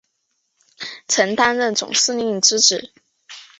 曾担任总司令之职。